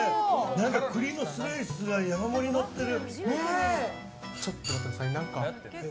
栗のスライスが山盛りにのってる。